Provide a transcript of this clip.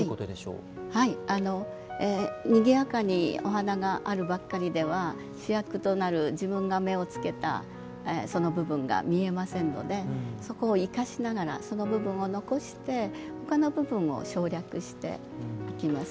にぎやかにお花があるばかりでは主役となる自分が目をつけたその部分が見えませんのでそこを生かしながらその部分を生かしてほかの部分を省略していきます。